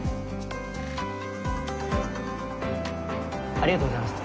ありがとうございます。